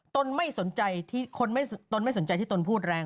ตนไม่สนใจที่ตนพูดแรง